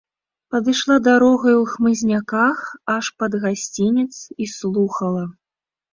Падышла дарогаю ў хмызняках аж пад гасцінец і слухала.